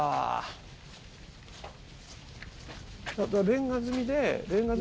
レンガ積みで。